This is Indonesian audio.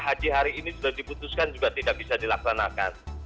haji hari ini sudah diputuskan juga tidak bisa dilaksanakan